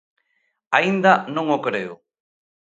Aínda non o creo.